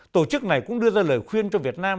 tổ chức này cũng đưa ra lời khuyên cho việt nam